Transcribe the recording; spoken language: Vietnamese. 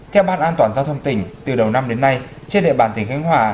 theo ban an toàn giao thông tỉnh từ đầu năm đến nay trên địa bàn tỉnh khánh hòa